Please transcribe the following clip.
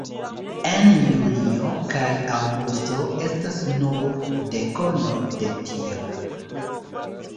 En julio kaj aŭgusto estas nur dekono de tio.